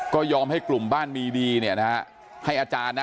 ก็ยอมให้กลุ่มบ้านมีดีเนี่ยนะฮะให้อาจารย์นะ